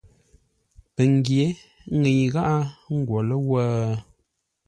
Pəngyě ŋəi gháʼá, ə́ ngwo ləwə̂?